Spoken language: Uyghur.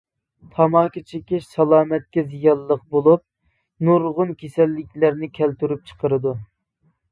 تاماكا چېكىش سالامەتلىككە زىيانلىق بولۇپ، نۇرغۇن كېسەللىكلەرنى كەلتۈرۈپ چىقىرىدۇ.